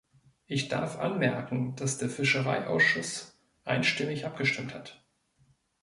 Ich darf anmerken, dass der Fischereiausschuss einstimmig abgestimmt hat.